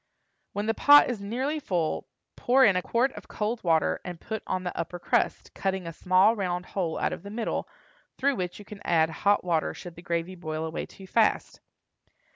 When the pot is nearly full, pour in a quart of cold water and put on the upper crust, cutting a small round hole out of the middle, through which you can add hot water should the gravy boil away too fast.